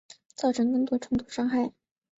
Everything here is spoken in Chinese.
造成更多冲突伤害